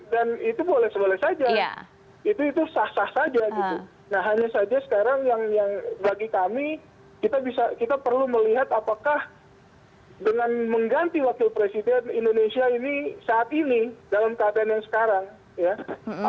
dan itu boleh seboleh saja itu sah sah saja gitu nah hanya saja sekarang yang bagi kami kita perlu melihat apakah dengan mengganti wakil presiden indonesia ini saat ini dalam keadaan yang sekarang ya